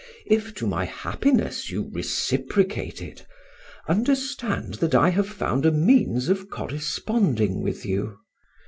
If, to my happiness, you reciprocate it, understand that I have found a means of corresponding with you.